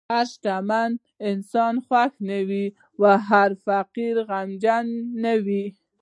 هر شتمن انسان خوښ نه وي، او هر فقیر غمجن نه وي.